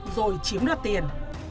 rồi chiếm đoạt tiền